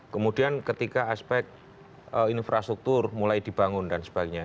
kemudian ketika aspek infrastruktur mulai dibangun dan sebagainya